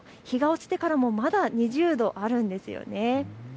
日が落ちてからもまだ２０度あるんですよね。